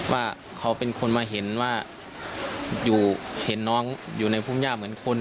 ว่าเขาเป็นคนมาเห็นว่าอยู่เห็นน้องอยู่ในพุ่มย่าเหมือนคน